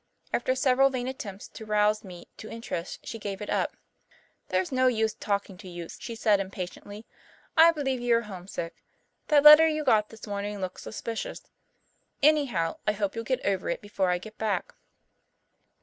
After several vain attempts to rouse me to interest she gave it up. "There's no use talking to you," she said impatiently. "I believe you are homesick. That letter you got this morning looked suspicious. Anyhow, I hope you'll get over it before I get back."